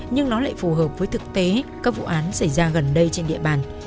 nhưng nó lại phù hợp với thực tế các vụ án xảy ra gần đây trên địa bàn